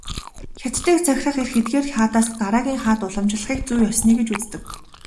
Хятадыг захирах эрх эдгээр хаадаас дараагийн хаанд уламжлахыг "зүй ёсны" гэж үздэг.